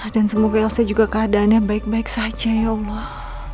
dan semoga elsa juga keadaannya baik baik saja ya allah